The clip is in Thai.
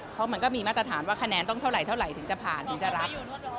เพราะมันก็มีมาตรฐานว่าคะแนนต้องเท่าไหเท่าไหร่ถึงจะผ่านถึงจะรับ